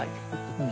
うん？